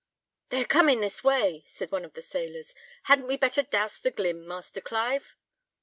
"They are coming this way," said one of the sailors; "hadn't we better dowse the glim, Master Clive?"